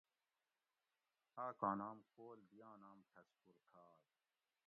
آکاں نام کول دیاں نام ٹھسکور تھاگ